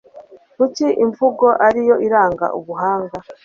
kuko imvugo ari yo iranga ubuhanga